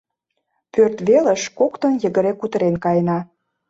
Пӧрт велыш коктын йыгыре кутырен каена.